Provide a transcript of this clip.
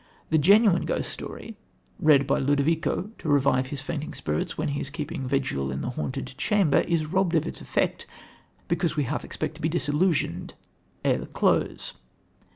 The genuine ghost story, read by Ludovico to revive his fainting spirits when he is keeping vigil in the "haunted" chamber, is robbed of its effect because we half expect to be disillusioned ere the close.